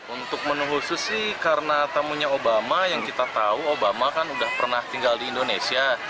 untuk menu khusus sih karena tamunya obama yang kita tahu obama kan udah pernah tinggal di indonesia